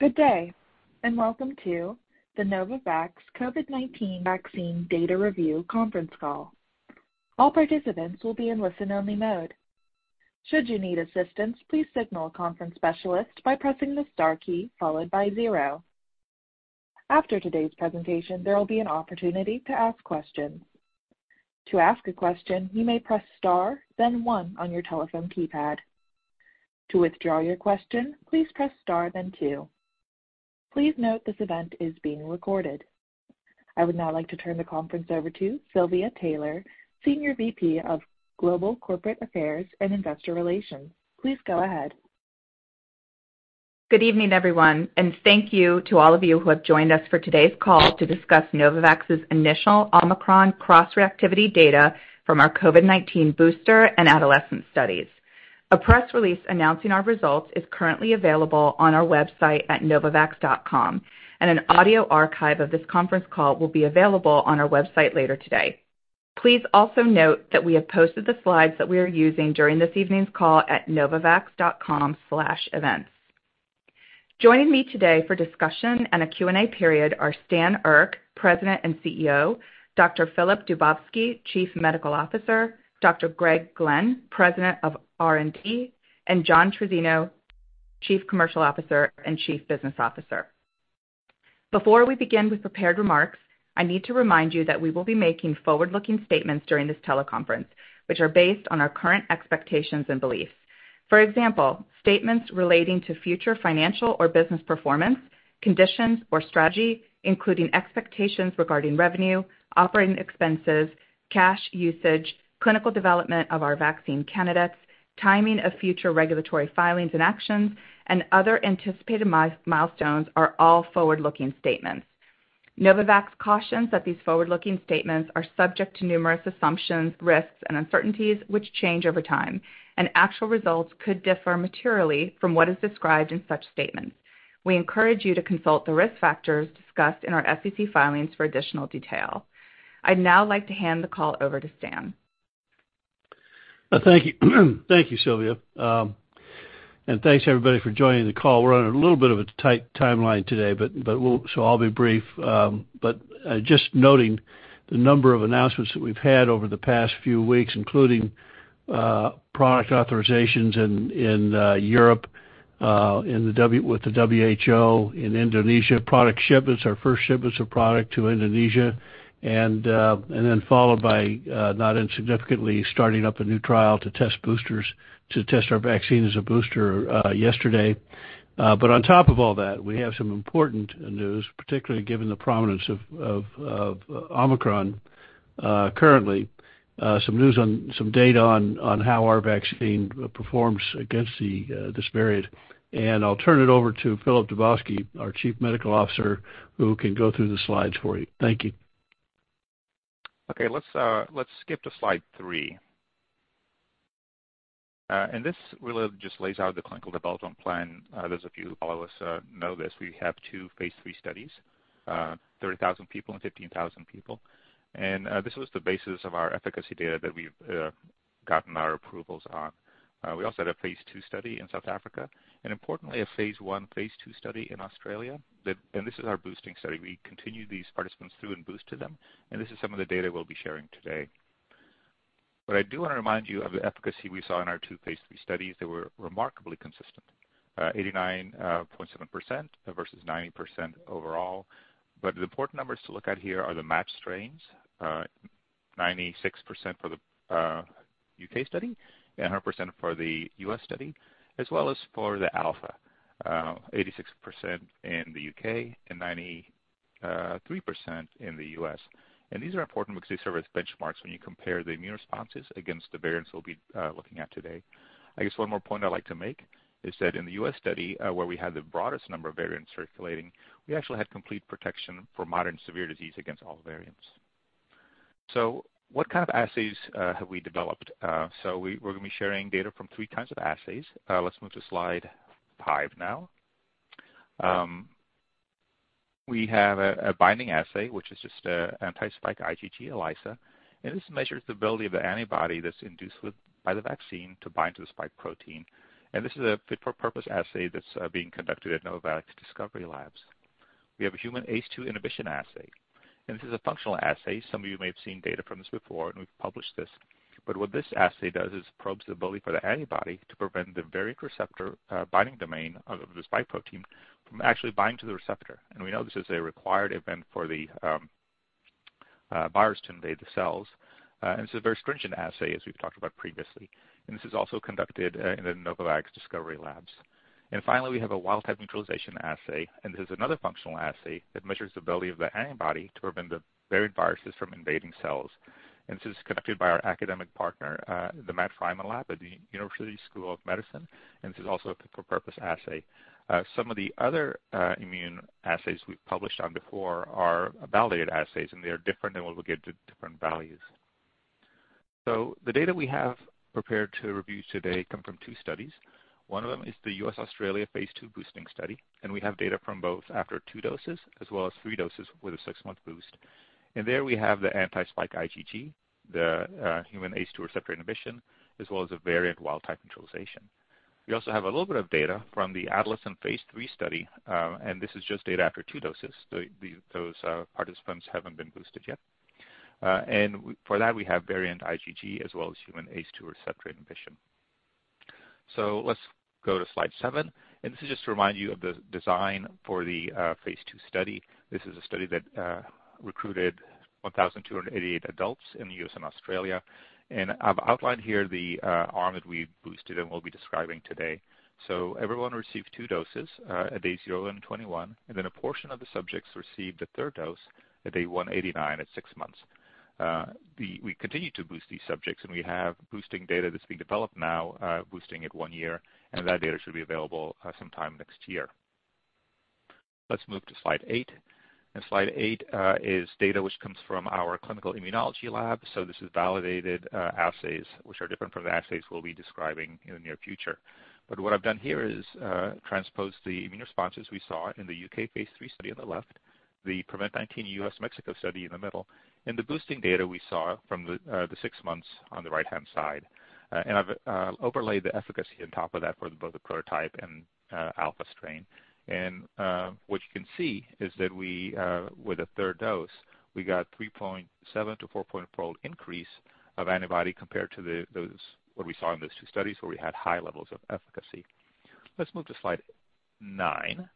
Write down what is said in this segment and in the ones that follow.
Good day, and welcome to the Novavax COVID-19 Vaccine Data Review Conference Call. All participants will be in listen-only mode. Should you need assistance, please signal a conference specialist by pressing the star key followed by zero. After today's presentation, there will be an opportunity to ask questions. To ask a question, you may press star, then one on your telephone keypad. To withdraw your question, please press star then two. Please note this event is being recorded. I would now like to turn the conference over to Silvia Taylor, Senior VP of Global Corporate Affairs and Investor Relations. Please go ahead. Good evening, everyone, and thank you to all of you who have joined us for today's call to discuss Novavax's initial Omicron cross-reactivity data from our COVID-19 booster and adolescent studies. A press release announcing our results is currently available on our website at novavax.com, and an audio archive of this conference call will be available on our website later today. Please also note that we have posted the slides that we are using during this evening's call at novavax.com/events. Joining me today for discussion and a Q&A period are Stan Erck, President and CEO, Dr. Filip Dubovsky, Chief Medical Officer, Dr. Greg Glenn, President of R&D, and John Trizzino, Chief Commercial Officer and Chief Business Officer. Before we begin with prepared remarks, I need to remind you that we will be making forward-looking statements during this teleconference, which are based on our current expectations and beliefs. For example, statements relating to future financial or business performance, conditions, or strategy, including expectations regarding revenue, operating expenses, cash usage, clinical development of our vaccine candidates, timing of future regulatory filings and actions, and other anticipated milestones are all forward-looking statements. Novavax cautions that these forward-looking statements are subject to numerous assumptions, risks, and uncertainties which change over time, and actual results could differ materially from what is described in such statements. We encourage you to consult the risk factors discussed in our SEC filings for additional detail. I'd now like to hand the call over to Stan. Thank you. Thank you, Silvia. Thanks everybody for joining the call. We're on a little bit of a tight timeline today, but we'll be brief. Just noting the number of announcements that we've had over the past few weeks, including product authorizations in Europe with the WHO in Indonesia. Product shipments, our first shipments of product to Indonesia, followed by not insignificantly starting up a new trial to test our vaccine as a booster yesterday. On top of all that, we have some important news, particularly given the prominence of Omicron currently. Some data on how our vaccine performs against this variant. I'll turn it over to Filip Dubovsky, our Chief Medical Officer, who can go through the slides for you. Thank you. Okay, let's skip to slide three. This really just lays out the clinical development plan. Those of you who follow us know this. We have two phase III studies, 30,000 people and 15,000 people. This was the basis of our efficacy data that we've gotten our approvals on. We also had a phase II study in South Africa and importantly, a phase I, phase II study in Australia that this is our boosting study. We continued these participants through and boosted them, and this is some of the data we'll be sharing today. I do want to remind you of the efficacy we saw in our two phase III studies. They were remarkably consistent, 89.7% versus 90% overall. The important numbers to look at here are the matched strains. 96% for the U.K. study and 100% for the U.S. study, as well as for the Alpha, 86% in the U.K. and 93% in the U.S. These are important because they serve as benchmarks when you compare the immune responses against the variants we'll be looking at today. I guess one more point I'd like to make is that in the U.S. study, where we had the broadest number of variants circulating, we actually had complete protection for moderate and severe disease against all variants. What kind of assays have we developed? We're gonna be sharing data from three kinds of assays. Let's move to slide five now. We have a binding assay, which is just an anti-spike IgG ELISA. This measures the ability of the antibody that's induced by the vaccine to bind to the spike protein. This is a fit-for-purpose assay that's being conducted at Novavax Discovery Labs. We have a human ACE2 inhibition assay, and this is a functional assay. Some of you may have seen data from this before, and we've published this. What this assay does is probes the ability for the antibody to prevent the receptor binding domain of the spike protein from actually binding to the receptor. We know this is a required event for the virus to invade the cells. This is a very stringent assay, as we've talked about previously. This is also conducted in the Novavax Discovery Labs. Finally, we have a wild type neutralization assay, and this is another functional assay that measures the ability of the antibody to prevent the varied viruses from invading cells. This is conducted by our academic partner, the Matthew Frieman Lab at the University of Maryland School of Medicine. This is also a fit-for-purpose assay. Some of the other immune assays we've published on before are validated assays, and they are different, and we'll look into different values. The data we have prepared to review today come from two studies. One of them is the U.S.-Australia phase II boosting study, and we have data from both after 2 doses as well as 3 doses with a 6-month boost. There we have the anti-spike IgG, the human ACE2 receptor inhibition, as well as a variant wild type neutralization. We also have a little bit of data from the adolescent phase III study, and this is just data after two doses. Those participants haven't been boosted yet. For that we have variant IgG as well as human ACE2 receptor inhibition. Let's go to slide seven. This is just to remind you of the design for the phase II study. This is a study that recruited 1,288 adults in the U.S. and Australia. I've outlined here the arm that we boosted and will be describing today. Everyone received two doses at day 0 and 21, and then a portion of the subjects received a third dose at day 189, at 6 months. We continue to boost these subjects, and we have boosting data that's being developed now, boosting at 1 year, and that data should be available sometime next year. Let's move to slide 8. Slide 8 is data which comes from our clinical immunology lab. This is validated assays, which are different from the assays we'll be describing in the near future. What I've done here is transpose the immune responses we saw in the U.K. phase III study on the left, the PREVENT-19 U.S. Mexico study in the middle, and the boosting data we saw from the 6 months on the right-hand side. I've overlaid the efficacy on top of that for both the prototype and Alpha strain. What you can see is that with a third dose, we got 3.7 to 4-fold increase of antibody compared to what we saw in those two studies where we had high levels of efficacy. Let's move to slide 9.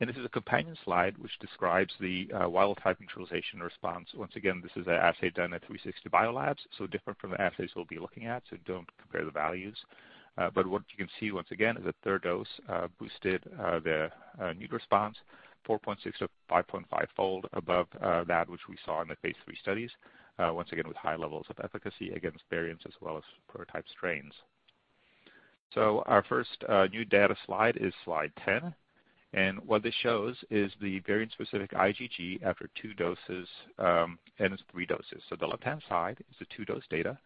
This is a companion slide which describes the wild-type neutralization response. Once again, this is an assay done at 360biolabs, so different from the assays we'll be looking at, so don't compare the values. What you can see once again is a third dose boosted the immune response 4.6 to 5.5-fold above that which we saw in the phase III studies once again with high levels of efficacy against variants as well as prototype strains. Our first new data slide is slide 10, and what this shows is the variant-specific IgG after two doses and three doses. The left-hand side is the two-dose data,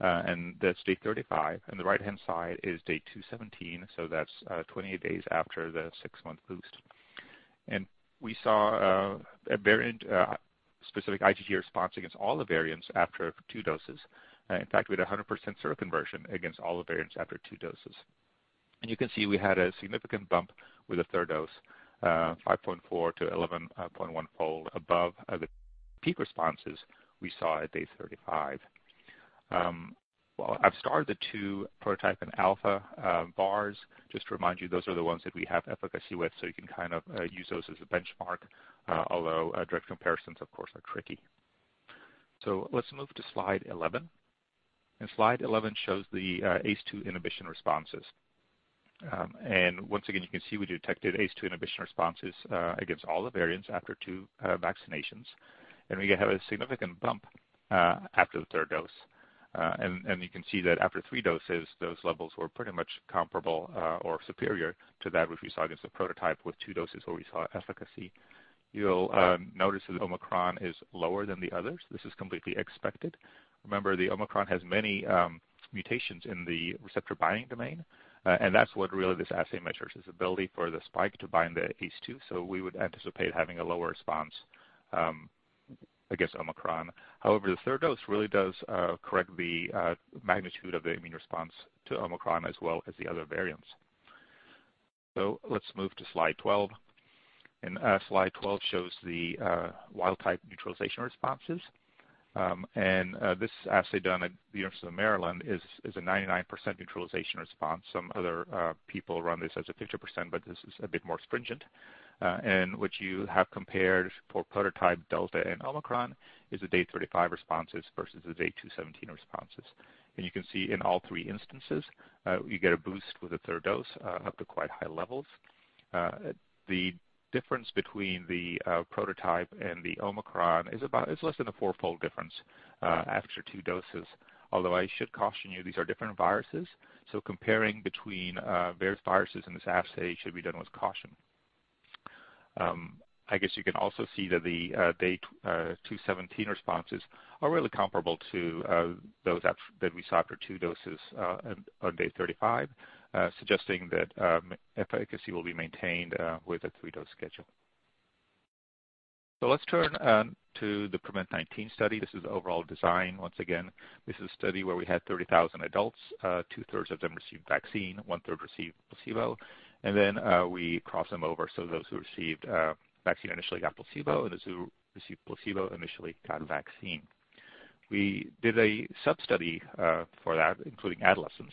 and that's day 35, and the right-hand side is day 217, so that's 20 days after the 6-month boost. We saw a variant-specific IgG response against all the variants after two doses. In fact, we had 100% seroconversion against all the variants after two doses. You can see we had a significant bump with a third dose, 5.4 to 11.1-fold above the peak responses we saw at day 35. Well, it starts with the two prototype and Alpha bars. Just to remind you, those are the ones that we have efficacy with, so you can kind of use those as a benchmark, although direct comparisons of course are tricky. Let's move to slide 11. Slide 11 shows the ACE2 inhibition responses. Once again, you can see we detected ACE2 inhibition responses against all the variants after two vaccinations. We have a significant bump after the third dose. You can see that after three doses, those levels were pretty much comparable or superior to that which we saw against the prototype with two doses where we saw efficacy. You'll notice that Omicron is lower than the others. This is completely expected. Remember, the Omicron has many mutations in the receptor binding domain, and that's what really this assay measures, is ability for the spike to bind the ACE2. We would anticipate having a lower response against Omicron. However, the third dose really does correct the magnitude of the immune response to Omicron as well as the other variants. Let's move to slide 12. Slide 12 shows the wild type neutralization responses. This assay done at the University of Maryland is a 99% neutralization response. Some other people run this as a 50%, but this is a bit more stringent. What you have compared for prototype Delta and Omicron is the day 35 responses versus the day 217 responses. You can see in all three instances, you get a boost with a third dose up to quite high levels. The difference between the prototype and the Omicron is less than a fourfold difference after two doses. Although I should caution you, these are different viruses, so comparing between various viruses in this assay should be done with caution. I guess you can also see that the day 217 responses are really comparable to those that we saw after two doses on day 35, suggesting that efficacy will be maintained with a three-dose schedule. Let's turn to the PREVENT-19 study. This is the overall design. Once again, this is a study where we had 30,000 adults. Two-thirds of them received vaccine, one-third received placebo, and then we crossed them over, so those who received vaccine initially got placebo, and those who received placebo initially got vaccine. We did a sub-study for that, including adolescents,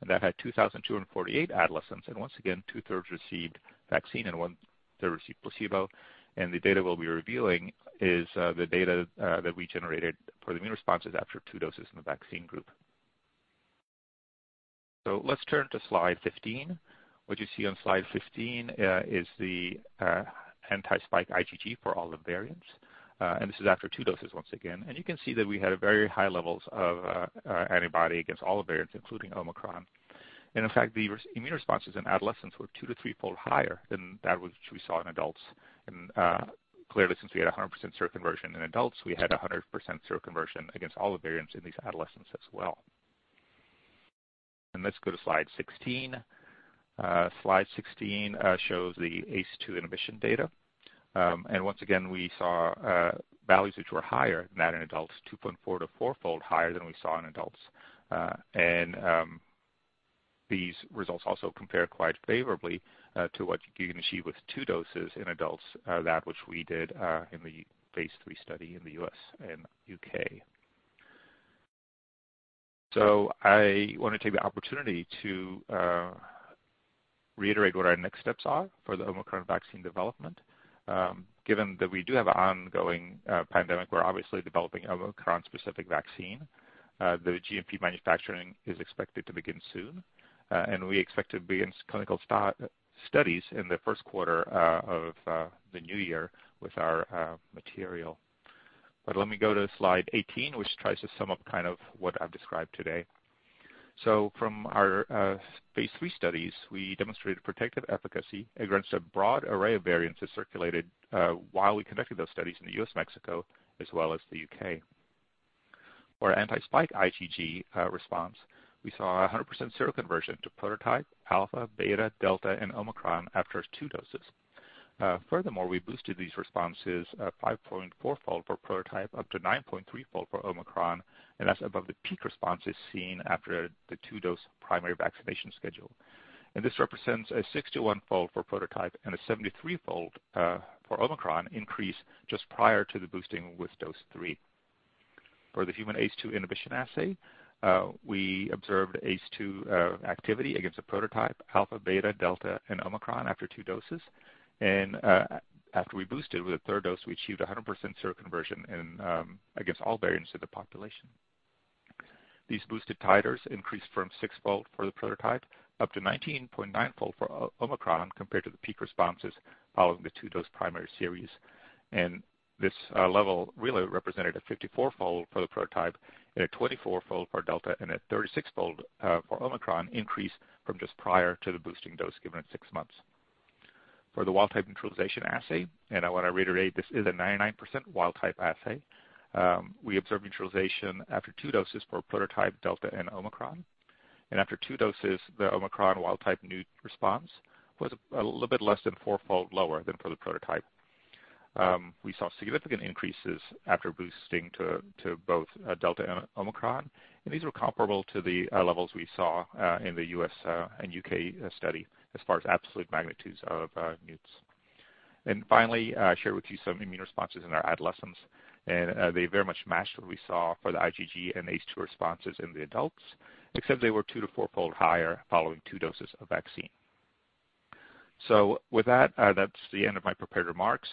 and that had 2,248 adolescents, and once again, two-thirds received vaccine and one-third received placebo. The data we'll be revealing is the data that we generated for the immune responses after two doses in the vaccine group. Let's turn to slide 15. What you see on slide 15 is the anti-spike IgG for all the variants. This is after two doses once again. You can see that we had very high levels of antibody against all the variants, including Omicron. In fact, the immune responses in adolescents were 2 to 3-fold higher than that which we saw in adults. Clearly, since we had 100% seroconversion in adults, we had 100% seroconversion against all the variants in these adolescents as well. Let's go to slide 16. Slide 16 shows the ACE2 inhibition data. Once again, we saw values which were higher than that in adults, 2.4 to 4-fold higher than we saw in adults. These results also compare quite favorably to what you can achieve with two doses in adults, that which we did in the phase III study in the U.S. and U.K. I want to take the opportunity to reiterate what our next steps are for the Omicron vaccine development. Given that we do have an ongoing pandemic, we're obviously developing an Omicron-specific vaccine. The GMP manufacturing is expected to begin soon, and we expect to begin clinical studies in the first quarter of the new year with our material. Let me go to slide 18, which tries to sum up kind of what I've described today. From our phase III studies, we demonstrated protective efficacy against a broad array of variants that circulated while we conducted those studies in the U.S., Mexico, as well as the U.K. For our anti-spike IgG response, we saw 100% seroconversion to prototype Alpha, Beta, Delta, and Omicron after two doses. Furthermore, we boosted these responses 5.4-fold for prototype up to 9.3-fold for Omicron, and that's above the peak responses seen after the two-dose primary vaccination schedule. This represents a 61-fold for prototype and a 73-fold for Omicron increase just prior to the boosting with dose three. For the human ACE2 inhibition assay, we observed ACE2 activity against the prototype, Alpha, Beta, Delta, and Omicron after two doses. After we boosted with a third dose, we achieved 100% seroconversion against all variants of the population. These boosted titers increased from 6-fold for the prototype up to 19.9-fold for Omicron compared to the peak responses following the two-dose primary series. This level really represented a 54-fold for the prototype and a 24-fold for Delta and a 36-fold for Omicron increase from just prior to the boosting dose given at 6 months. For the wild type neutralization assay, I want to reiterate, this is a 99% wild type assay, we observed neutralization after 2 doses for prototype Delta and Omicron. After 2 doses, the Omicron wild type neut response was a little bit less than 4-fold lower than for the prototype. We saw significant increases after boosting to both Delta and Omicron, and these were comparable to the levels we saw in the U.S. and U.K. study as far as absolute magnitudes of neuts. Finally, I'll share with you some immune responses in our adolescents, and they very much matched what we saw for the IgG and HAI responses in the adults, except they were 2 to 4-fold higher following two doses of vaccine. With that's the end of my prepared remarks.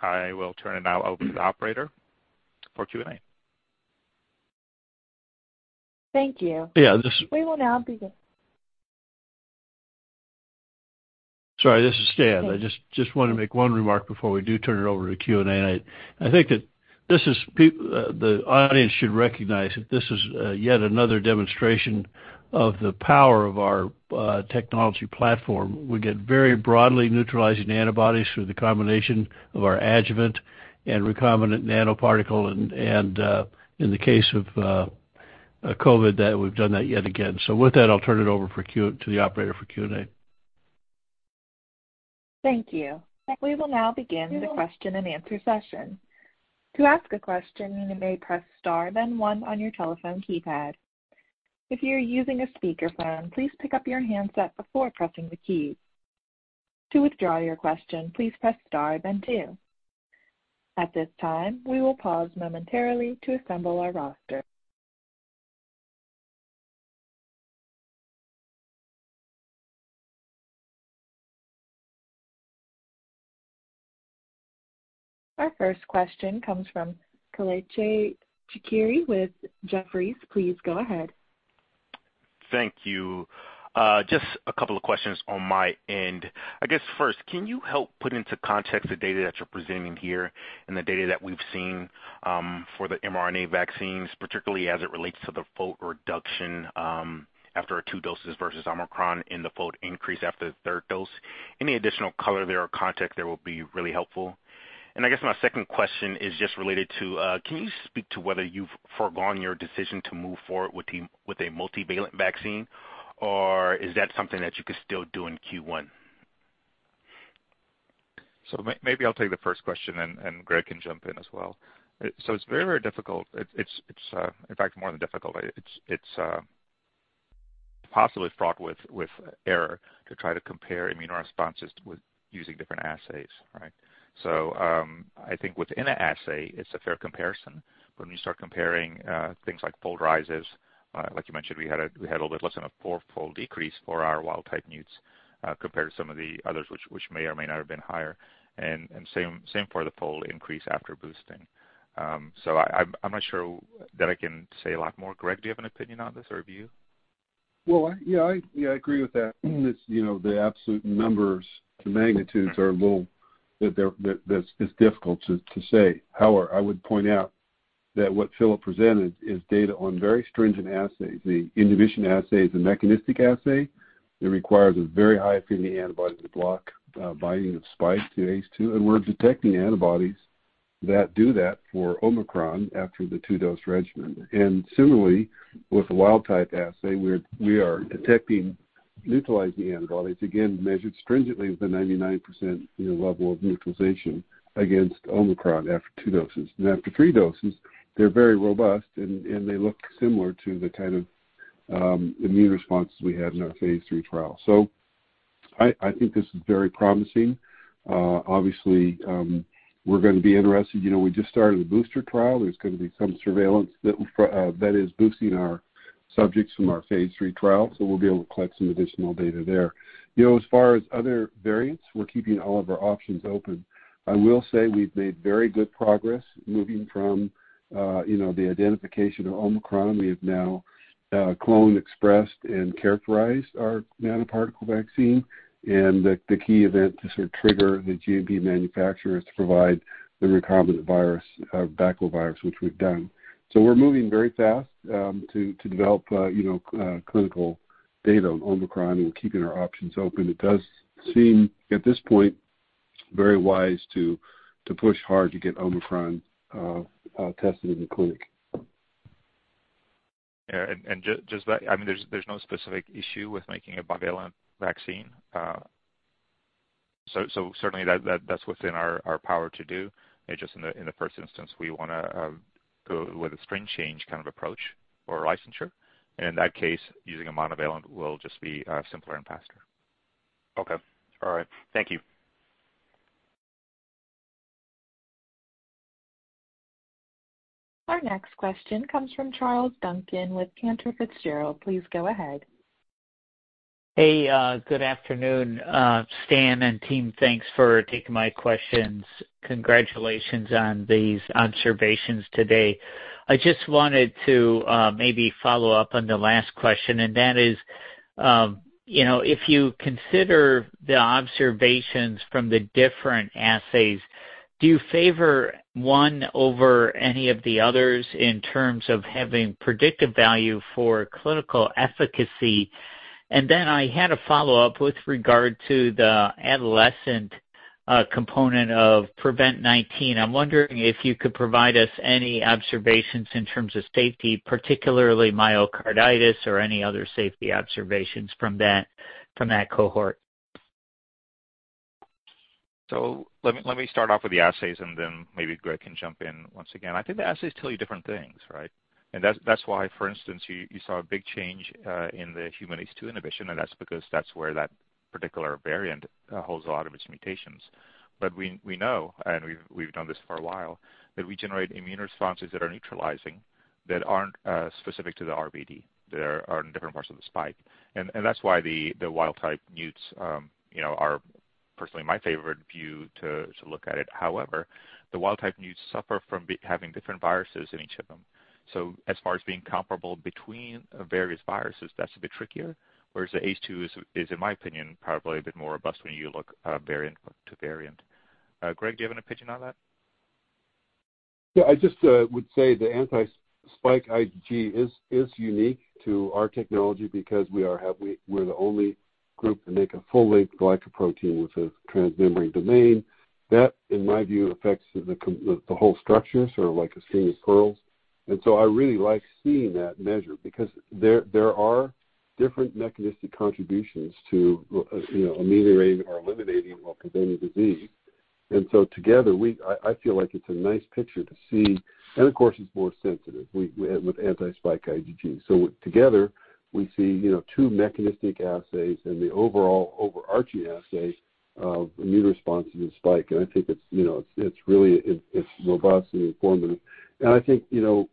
I will turn it now over to the operator for Q&A. Thank you. Yeah, this- We will now be- Sorry, this is Stan. Thanks. I just want to make one remark before we do turn it over to Q&A. I think that the audience should recognize that this is yet another demonstration of the power of our technology platform. We get very broadly neutralizing antibodies through the combination of our adjuvant and recombinant nanoparticle and in the case of COVID, that we've done that yet again. With that, I'll turn it over to the operator for Q&A. Thank you. We will now begin the question and answer session. To ask a question, you may press star then one on your telephone keypad. If you're using a speakerphone, please pick up your handset before pressing the keys. To withdraw your question, please press star then two. At this time, we will pause momentarily to assemble our roster. Our first question comes from Kelechi Chikere with Jefferies. Please go ahead. Thank you. Just a couple of questions on my end. I guess first, can you help put into context the data that you're presenting here and the data that we've seen for the mRNA vaccines, particularly as it relates to the fold reduction after two doses versus Omicron and the fold increase after the third dose? Any additional color there or context there will be really helpful. I guess my second question is just related to, can you speak to whether you've foregone your decision to move forward with a multivalent vaccine or is that something that you could still do in Q1? Maybe I'll take the first question and Greg can jump in as well. It's very difficult. It's, in fact, more than difficult. It's possibly fraught with error to try to compare immune responses with using different assays, right? I think within an assay it's a fair comparison, but when you start comparing things like fold rises, like you mentioned, we had a little bit less than a four-fold decrease for our wild type neuts, compared to some of the others which may or may not have been higher. Same for the fold increase after boosting. I'm not sure that I can say a lot more. Greg, do you have an opinion on this or a view? Well, yeah, I agree with that. It's, you know, the absolute numbers, the magnitudes are a little. That's difficult to say. However, I would point out that what Filip presented is data on very stringent assays. The inhibition assay is a mechanistic assay that requires a very high affinity antibody to block binding of spike to hACE2. We're detecting antibodies that do that for Omicron after the two-dose regimen. Similarly, with the wild type assay, we're detecting neutralizing antibodies, again, measured stringently with a 99% level of neutralization against Omicron after two doses. After three doses, they're very robust, and they look similar to the kind of immune responses we had in our phase III trial. So I think this is very promising. Obviously, we're gonna be interested. You know, we just started a booster trial. There's gonna be some surveillance that is boosting our subjects from our phase III trial, so we'll be able to collect some additional data there. You know, as far as other variants, we're keeping all of our options open. I will say we've made very good progress moving from you know, the identification of Omicron. We have now cloned, expressed, and characterized our nanoparticle vaccine, and the key event to sort of trigger the GMP manufacturers to provide the recombinant virus, baculovirus, which we've done. We're moving very fast to develop clinical data on Omicron and keeping our options open. It does seem, at this point, very wise to push hard to get Omicron tested in the clinic. Yeah. Just that, I mean, there's no specific issue with making a bivalent vaccine. Certainly that's within our power to do. It's just in the first instance, we wanna go with a strain change kind of approach for licensure. In that case, using a monovalent will just be simpler and faster. Okay. All right. Thank you. Our next question comes from Charles Duncan with Cantor Fitzgerald. Please go ahead. Hey, good afternoon, Stan and team. Thanks for taking my questions. Congratulations on these observations today. I just wanted to maybe follow up on the last question, and that is, you know, if you consider the observations from the different assays, do you favor one over any of the others in terms of having predictive value for clinical efficacy? I had a follow-up with regard to the adolescent component of PREVENT-19. I'm wondering if you could provide us any observations in terms of safety, particularly myocarditis or any other safety observations from that cohort. Let me start off with the assays and then maybe Greg can jump in once again. I think the assays tell you different things, right? That's why, for instance, you saw a big change in the human ACE2 inhibition, and that's because that's where that particular variant holds a lot of its mutations. We know, and we've done this for a while, that we generate immune responses that are neutralizing, that aren't specific to the RBD, that are on different parts of the spike. That's why the wild type neuts, you know, are personally my favorite view to look at it. However, the wild type neuts suffer from having different viruses in each of them. As far as being comparable between various viruses, that's a bit trickier. Whereas the ACE2 is in my opinion probably a bit more robust when you look variant to variant. Greg, do you have an opinion on that? I just would say the anti-spike IgG is unique to our technology because we're the only group to make a full-length glycoprotein with a transmembrane domain. That, in my view, affects the whole structure, sort of like a string of pearls. I really like seeing that measure because there are different mechanistic contributions to, you know, ameliorating or eliminating while preventing disease. I feel like it's a nice picture to see, and of course, it's more sensitive with anti-spike IgG. Together we see, you know, two mechanistic assays and the overall overarching assay of immune responses to spike. I think it's, you know, really robust and informative. I think, you know,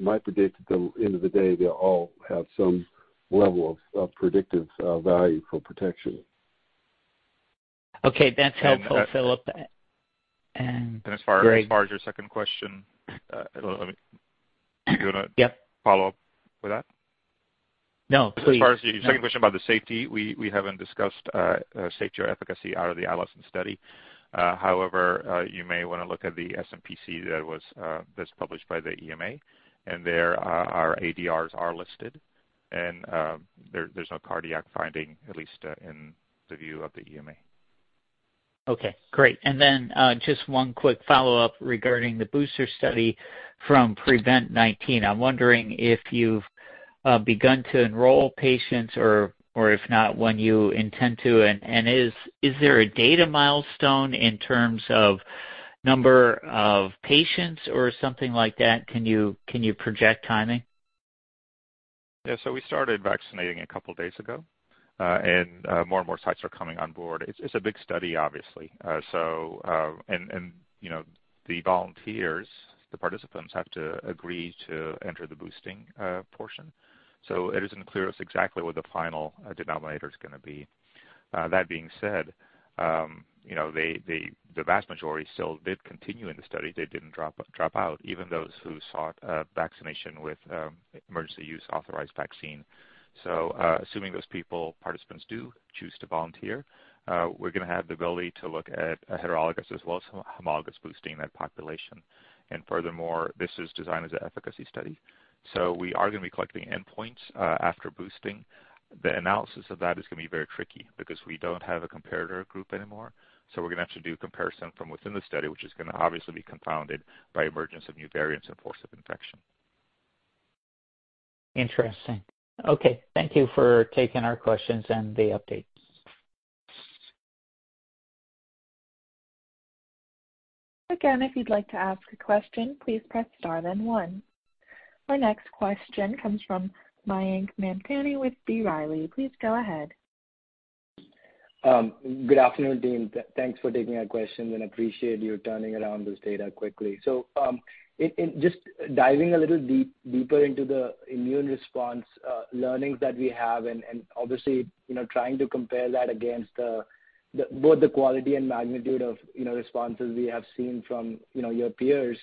my prediction at the end of the day, they'll all have some level of predictive value for protection. Okay. That's helpful, Filip. And as far- Greg. As far as your second question, do you wanna- Yep. Follow up with that? No, please. As far as your second question about the safety, we haven't discussed safety or efficacy out of the adolescent study. However, you may wanna look at the SmPC that's published by the EMA, and there our ADRs are listed, and there’s no cardiac finding, at least in the view of the EMA. Okay, great. Just one quick follow-up regarding the booster study from PREVENT-19. I'm wondering if you've begun to enroll patients or if not, when you intend to, and is there a data milestone in terms of number of patients or something like that? Can you project timing? Yeah. We started vaccinating a couple days ago, and more and more sites are coming on board. It's a big study, obviously. You know, the volunteers, the participants have to agree to enter the boosting portion. It is unclear as to exactly what the final denominator is gonna be. That being said, you know, the vast majority still did continue in the study. They didn't drop out, even those who sought vaccination with emergency use authorized vaccine. Assuming those people, participants do choose to volunteer, we're gonna have the ability to look at a heterologous as well as homologous boosting that population. Furthermore, this is designed as an efficacy study, so we are gonna be collecting endpoints after boosting. The analysis of that is gonna be very tricky because we don't have a comparator group anymore. We're gonna have to do comparison from within the study, which is gonna obviously be confounded by emergence of new variants and force of infection. Interesting. Okay. Thank you for taking our questions and the updates. Again, if you'd like to ask a question, please press star then one. Our next question comes from Mayank Mamtani with B. Riley. Please go ahead. Good afternoon, team. Thanks for taking our questions, and appreciate you turning around this data quickly. In just diving a little deeper into the immune response learnings that we have and obviously, you know, trying to compare that against both the quality and magnitude of, you know, responses we have seen from, you know, your peers.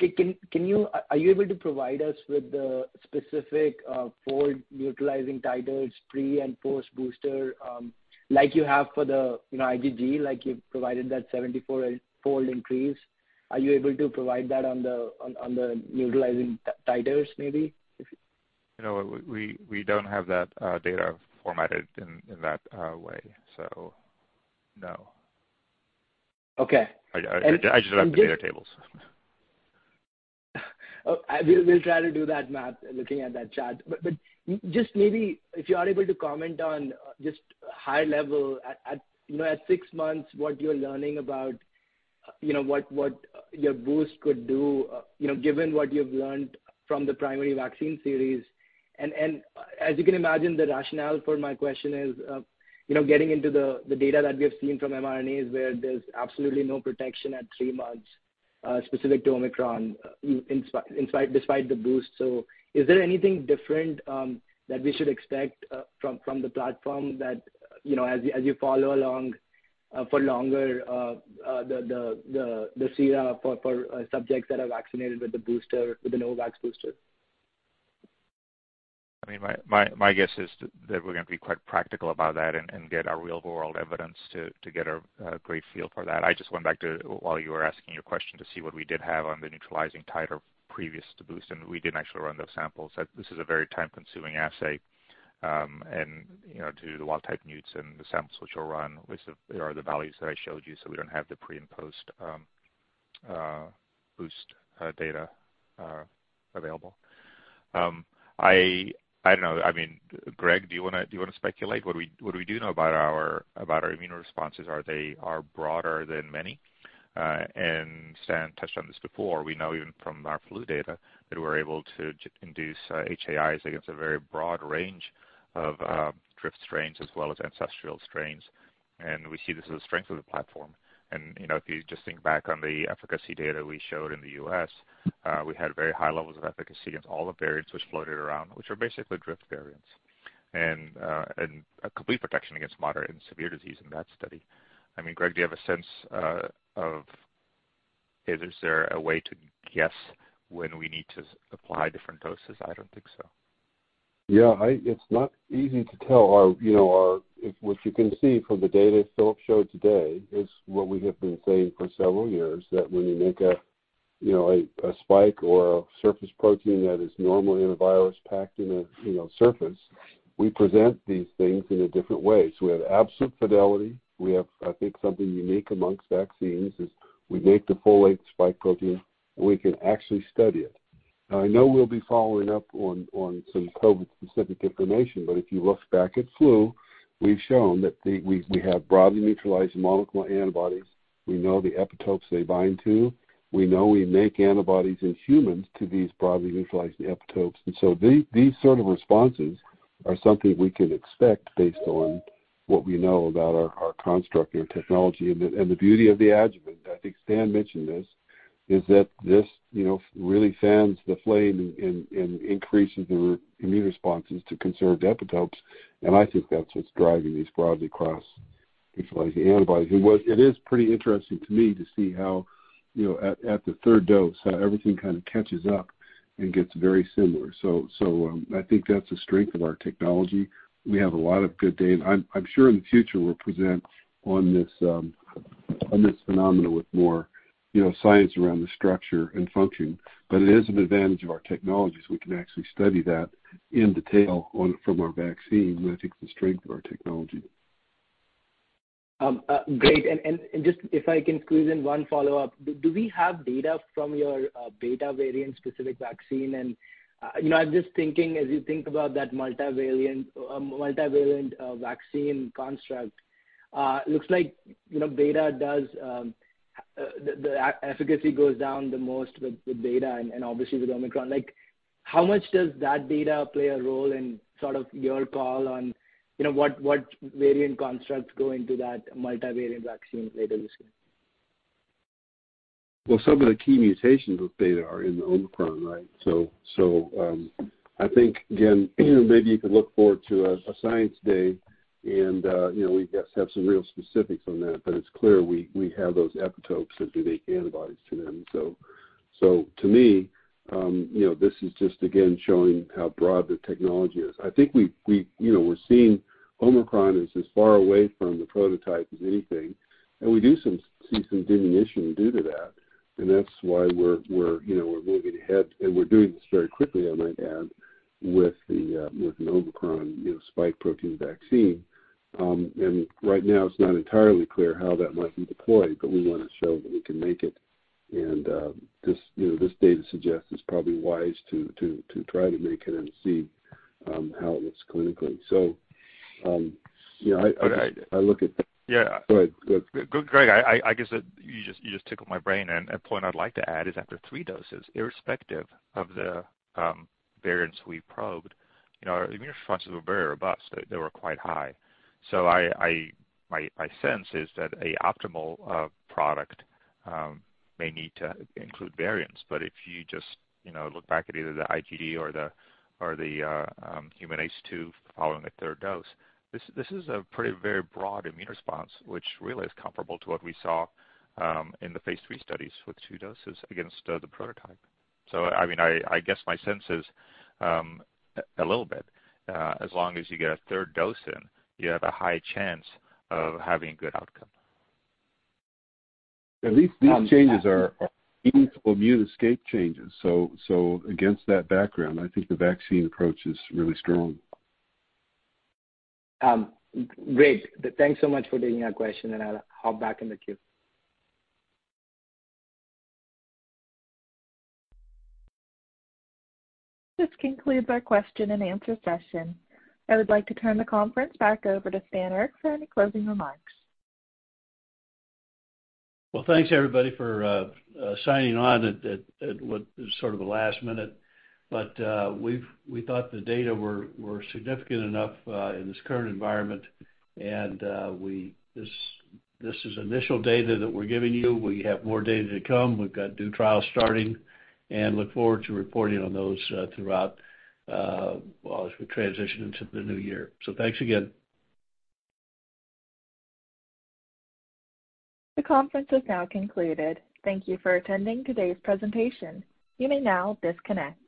Are you able to provide us with the specific fold-utilizing titers pre and post-booster, like you have for the, you know, IgG, like you've provided that 74-fold increase? Are you able to provide that on the neutralizing titers maybe? You know what? We don't have that data formatted in that way. So no. Okay. I just have the data tables. We'll try to do that math looking at that chart. But just maybe if you are able to comment on just high level at, you know, at six months, what you're learning about, you know, what your boost could do, you know, given what you've learned from the primary vaccine series. As you can imagine, the rationale for my question is, you know, getting into the data that we have seen from mRNAs where there's absolutely no protection at three months, specific to Omicron, in spite, despite the boost. Is there anything different that we should expect from the platform that, you know, as you follow along for longer, the sera for subjects that are vaccinated with the booster, with the Novavax booster? I mean, my guess is that we're gonna be quite practical about that and get our real-world evidence to get a great feel for that. I just went back, while you were asking your question, to see what we did have on the neutralizing titer previous to boost, and we didn't actually run those samples. This is a very time-consuming assay, and, you know, to do the wild type neuts and the samples which we'll run, which are the values that I showed you. So we don't have the pre and post boost data available. I don't know. I mean, Greg, do you wanna speculate what we do know about our immune responses? Are they broader than many? Stan touched on this before. We know even from our flu data that we're able to induce HAIs against a very broad range of drift strains as well as ancestral strains. We see this as a strength of the platform. You know, if you just think back on the efficacy data we showed in the U.S., we had very high levels of efficacy against all the variants which floated around, which were basically drift variants, and a complete protection against moderate and severe disease in that study. I mean, Greg, do you have a sense of is there a way to guess when we need to apply different doses? I don't think so. Yeah, it's not easy to tell. What you can see from the data Filip showed today is what we have been saying for several years, that when you make a spike or a surface protein that is normally in a virus packed in a surface, we present these things in a different way. We have absolute fidelity. We have, I think, something unique amongst vaccines, is we make the full-length spike protein, and we can actually study it. Now, I know we'll be following up on some COVID-specific information, but if you look back at flu, we've shown that we have broadly neutralizing monoclonal antibodies. We know the epitopes they bind to. We know we make antibodies in humans to these broadly neutralizing epitopes. These sort of responses are something we can expect based on what we know about our construct and our technology. The beauty of the adjuvant, I think Stan mentioned this, is that this you know really fans the flame and increases the immune responses to conserved epitopes. I think that's what's driving these broadly cross-neutralizing antibodies. It is pretty interesting to me to see how, you know, at the third dose, how everything kind of catches up and gets very similar. I think that's the strength of our technology. We have a lot of good data, and I'm sure in the future we'll present on this phenomenon with more, you know, science around the structure and function. It is an advantage of our technology, so we can actually study that in detail from our vaccine, and I think the strength of our technology. Great. Just if I can squeeze in one follow-up. Do we have data from your Beta variant-specific vaccine? You know, I'm just thinking as you think about that multivariant vaccine construct. Looks like, you know, Beta does the efficacy goes down the most with Beta and obviously with Omicron. Like, how much does that data play a role in sort of your call on, you know, what variant constructs go into that multivariant vaccine later this year? Well, some of the key mutations with Beta are in the Omicron, right? I think, again, maybe you can look forward to a science day and, you know, we just have some real specifics on that. It's clear we have those epitopes that make antibodies to them. To me, you know, this is just again showing how broad the technology is. I think we, you know, we're seeing Omicron is as far away from the prototype as anything, and we do see some diminution due to that. That's why we're, you know, we're moving ahead, and we're doing this very quickly, I might add, with an Omicron, you know, spike protein vaccine. Right now it's not entirely clear how that might be deployed, but we wanna show that we can make it. This, you know, this data suggests it's probably wise to try to make it and see how it looks clinically. You know, I- But I- I look at- Yeah. Go ahead. Greg, I guess that you just tickled my brain, and a point I'd like to add is after three doses, irrespective of the variants we probed, you know, our immune responses were very robust. They were quite high. So my sense is that an optimal product may need to include variants, but if you just look back at either the IgG or the human ACE2 following a third dose, this is a pretty very broad immune response, which really is comparable to what we saw in the phase III studies with two doses against the prototype. So I mean, I guess my sense is a little bit as long as you get a third dose in, you have a high chance of having good outcome. These changes are meaningful immune escape changes. Against that background, I think the vaccine approach is really strong. Great. Thanks so much for taking our question, and I'll hop back in the queue. This concludes our question and answer session. I would like to turn the conference back over to Stan Erck for any closing remarks. Well, thanks, everybody, for signing on at what is sort of the last minute. We thought the data were significant enough in this current environment, and this is initial data that we're giving you. We have more data to come. We've got new trials starting, and look forward to reporting on those throughout, well, as we transition into the new year. Thanks again. The conference is now concluded. Thank you for attending today's presentation. You may now disconnect.